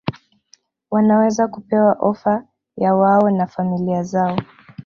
wanaweza kupewa ofa yawao na familia zao